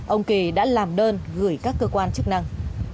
ông kỳ đã làm đơn gửi các cơ quan chức năng